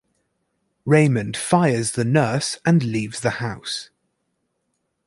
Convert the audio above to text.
Raymond fires the nurse and leaves the house.